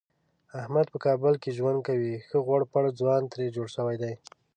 احمد په کابل کې ژوند کوي ښه غوړپېړ ځوان ترې جوړ شوی دی.